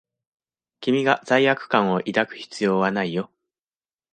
君が罪悪感を抱く必要はないよ。